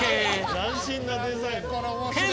「斬新なデザイン」